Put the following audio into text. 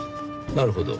なるほど。